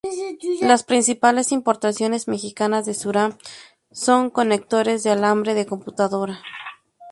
Las principales importaciones mexicanas de Surinam son conectores de alambre de computadora.